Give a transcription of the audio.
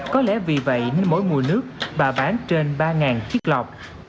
có lẽ vì vậy nên mỗi mùa nước bà bán trên ba chiếc lọc